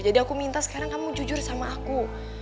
jadi aku minta sekarang kamu jujur sama aku